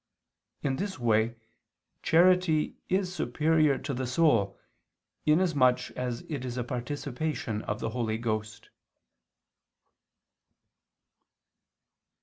In this way charity is superior to the soul, in as much as it is a participation of the Holy Ghost.